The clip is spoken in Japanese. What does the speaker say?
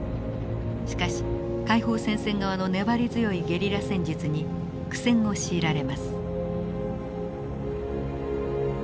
しかし解放戦線側の粘り強いゲリラ戦術に苦戦を強いられます。